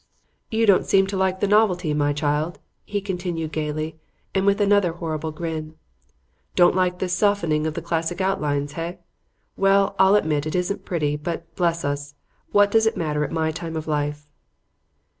"You don't seem to like the novelty, my child," he continued gaily and with another horrible grin. "Don't like this softening of the classic outlines, hey? Well, I'll admit it isn't pretty, but, bless us! what does that matter at my time of life?"